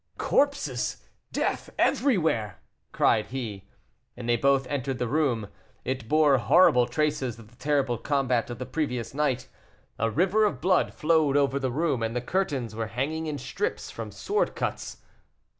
"Corpses! death everywhere!" cried he. And they both entered the room. It bore horrible traces of the terrible combat of the previous night. A river of blood flowed over the room; and the curtains were hanging in strips from sword cuts.